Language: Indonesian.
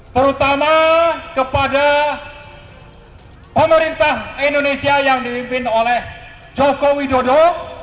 terutama kepada pemerintah indonesia yang dipimpin oleh joko widodo